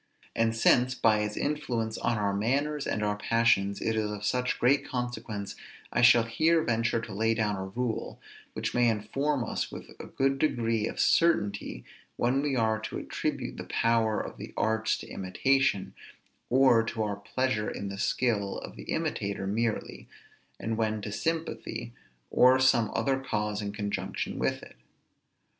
And since, by its influence on our manners and our passions, it is of such great consequence, I shall here venture to lay down a rule, which may inform us with a good degree of certainty when we are to attribute the power of the arts to imitation, or to our pleasure in the skill of the imitator merely, and when to sympathy, or some other cause in conjunction, with it.